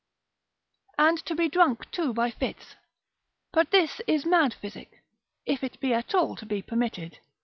And to be drunk too by fits; but this is mad physic, if it be at all to be permitted.